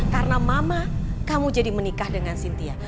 karena mama kamu jadi menikah dengan sintia